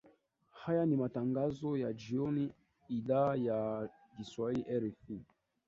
aya ni matangazo ya jioni idhaa ya kiswahili rfi